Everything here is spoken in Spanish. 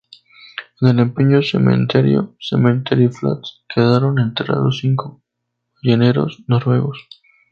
En el pequeño cementerio "Cemetery Flats" quedaron enterrados cinco balleneros noruegos.